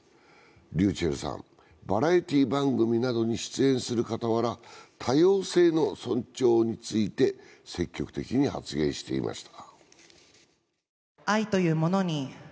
ｒｙｕｃｈｅｌｌさん、バラエティー番組などに出演する傍ら、多様性の尊重について積極的に発言していました。